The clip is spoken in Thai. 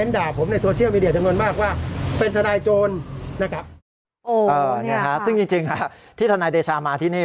อ๋อนี่ค่ะซึ่งจริงที่ทนายเดชามาที่นี่